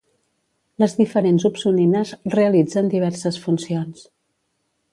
Les diferents opsonines realitzen diverses funcions.